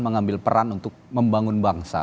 mengambil peran untuk membangun bangsa